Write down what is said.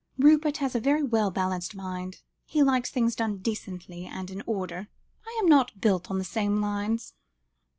Rupert has a very well balanced mind. He likes things done decently and in order. I am not built on the same lines."